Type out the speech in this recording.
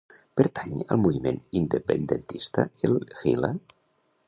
Pertany al moviment independentista el Gila?